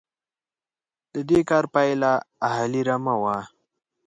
د دې کار پایله اهلي رمه وه.